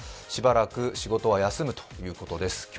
しばらく仕事は休むということです。